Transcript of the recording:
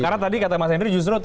karena tadi kata mas hendry justru